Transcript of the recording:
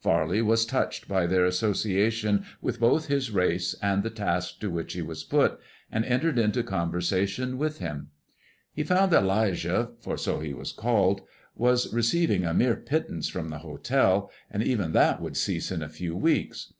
Farley was touched by their association with both his race and the tasks to which he was put, and entered into conversation with him. He found that 'Lijah, for so he was called, was receiving a mere pittance from the hotel, and even that would cease in a few weeks.